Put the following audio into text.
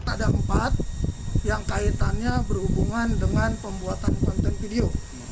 ada empat yang kaitannya berhubungan dengan pembuatan konten video